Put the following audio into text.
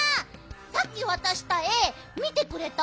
さっきわたしたえみてくれた？